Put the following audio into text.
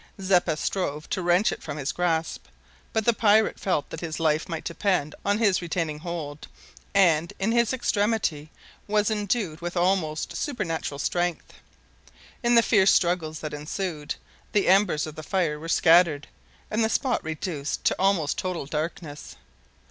Zeppa strove to wrench it from his grasp, but the pirate felt that his life might depend on his retaining hold, and, in his extremity, was endued with almost supernatural strength. In the fierce struggles that ensued, the embers of the fire were scattered, and the spot reduced to almost total darkness.